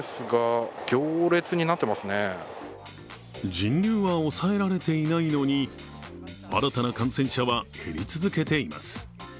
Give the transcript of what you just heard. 人流は抑えられていないのに新たな感染者は減り続けています。